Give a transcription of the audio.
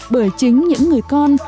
bởi chính những người con